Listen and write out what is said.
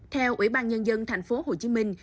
theo ủy ban nhân dân thành phố hồ chí minh